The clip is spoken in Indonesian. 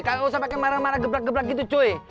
gak usah pake marah marah geblak geblak gitu cuy